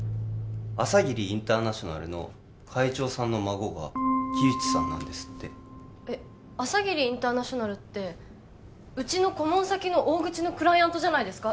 朝霧インターナショナルの会長さんの孫が木内さんなんですってえっ朝霧インターナショナルってうちの顧問先の大口のクライアントじゃないですか？